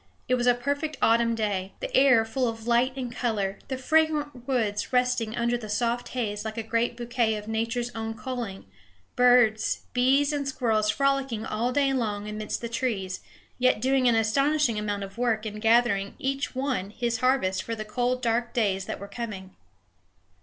It was a perfect autumn day, the air full of light and color, the fragrant woods resting under the soft haze like a great bouquet of Nature's own culling, birds, bees and squirrels frolicking all day long amidst the trees, yet doing an astonishing amount of work in gathering each one his harvest for the cold dark days that were coming.